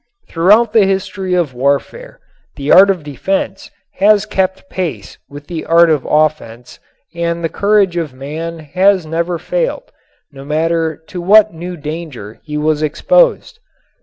Throughout the history of warfare the art of defense has kept pace with the art of offense and the courage of man has never failed, no matter to what new danger he was exposed.